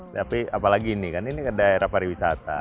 tapi apalagi ini kan ini daerah pariwisata